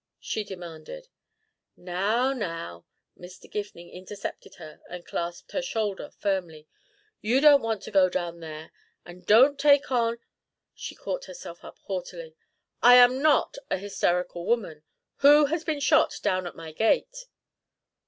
she demanded. "Now now." Mr. Gifning intercepted her and clasped her shoulder firmly. "You don't want to go down there and don't take on " She drew herself up haughtily. "I am not an hysterical woman. Who has been shot down at my gate?"